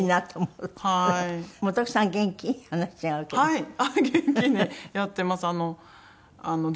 はい。